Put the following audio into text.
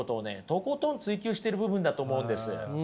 とことん追求してる部分だと思うんです。